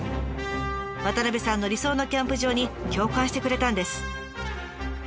渡部さんの理想のキャンプ場に共感してくれたんです。